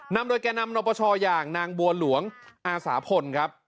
นำโดยแก่นำนปชอย่างนางบัวหลวงอาสาพลครับ